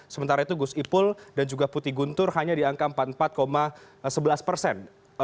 sementara itu gus ipul dan juga putih guntur hanya di angka empat puluh empat sebelas persen